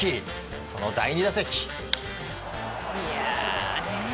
その第２打席。